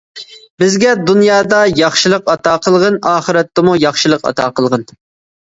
بىزگە دۇنيادا ياخشىلىق ئاتا قىلغىن، ئاخىرەتتىمۇ ياخشىلىق ئاتا قىلغىن.